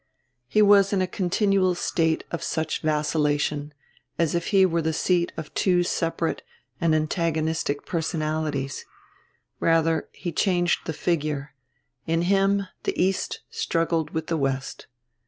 He was in a continual state of such vacillation, as if he were the seat of two separate and antagonistic personalities; rather, he changed the figure, in him the East struggled with the West.